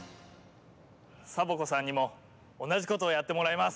サボ子さんにもおなじことをやってもらいます！